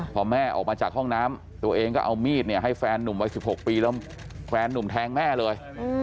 พอแม่ออกมาจากห้องน้ำตัวเองก็เอามีดให้แฟนหนุ่มวัย๑๖ปีแล้วแฟนนุ่มแทงแม่เลย